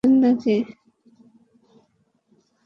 আমার মাকে পটাবার চেষ্টা করছেন নাকি?